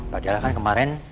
padahal kan kemarin